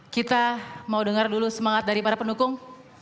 kita mau dengar dulu semangat dari para pendukung